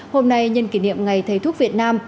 hôm nay nhân kỷ niệm ngày thầy thuốc việt nam